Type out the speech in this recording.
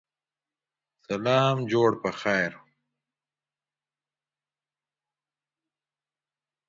سلام جوړ پخیر